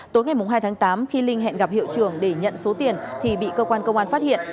tối ngày hai tháng tám khi linh hẹn gặp hiệu trưởng để nhận số tiền thì bị cơ quan công an phát hiện